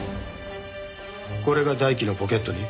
これが大樹のポケットに？